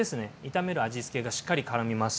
炒める味付けがしっかりからみます。